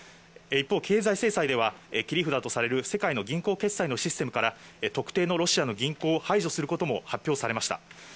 一方、経済制裁では、切り札とされる、世界の銀行決済のシステムから、特定のロシアの銀行を排除することも発表されました。